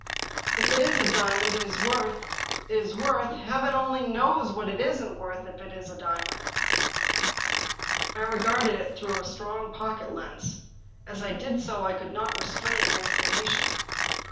" If it is a diamond, it is worth — it is worth — Heaven only knows what it isn't worth if it's a diamond." I regarded it Jthrough a strong pocket lens. As I did so I could not restrain an exclamation.